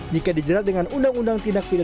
jika dijerat dengan undang undang tindak pidana